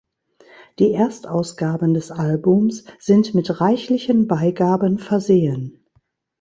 Die Erstausgaben des Albums sind mit reichlichen Beigaben versehen.